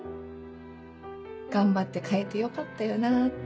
頑張って変えてよかったよなって。